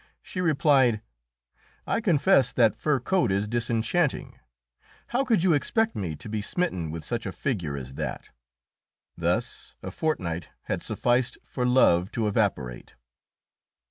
She replied, "I confess that fur coat is disenchanting; how could you expect me to be smitten with such a figure as that?" Thus a fortnight had sufficed for love to evaporate.